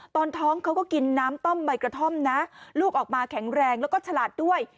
ตอนท้องเขาก็กินน้ำต้มใบกระท่อมนะลูกออกมาแข็งแรงแล้วก็ฉลาดด้วย